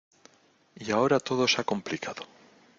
y ahora todo se ha complicado.